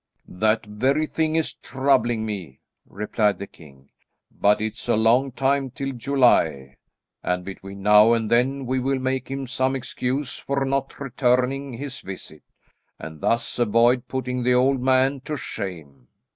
"That very thing is troubling me," replied the king, "but it's a long time till July, and between now and then we will make him some excuse for not returning his visit, and thus avoid putting the old man to shame."